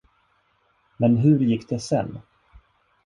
Men hur gick det sen?